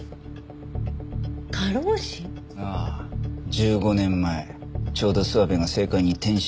１５年前ちょうど諏訪部が政界に転身したタイミングだ。